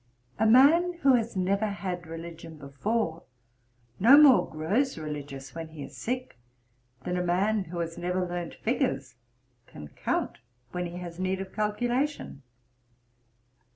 A man who has never had religion before, no more grows religious when he is sick, than a man who has never learnt figures can count when he has need of calculation.'